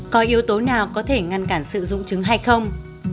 có yếu tố nào có thể ngăn cản sự dung trứng hay không